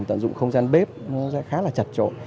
tận dụng không gian bếp nó sẽ khá là chật trội